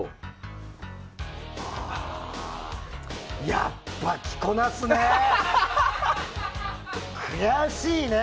やっぱり着こなすね！